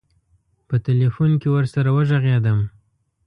په تیلفون کې ورسره وږغېدم.